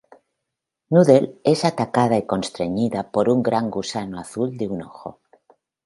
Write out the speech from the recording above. Noodle es atacada y constreñida por un gran gusano azul de un ojo.